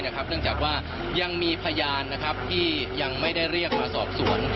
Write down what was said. เนื่องจากว่ายังมีพยานที่ยังไม่ได้เรียกมาสอบสวน